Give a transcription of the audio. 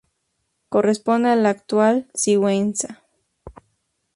Corresponde a la actual Sigüenza.